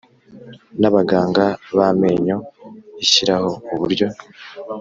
N abaganga b amenyo ishyiraho uburyo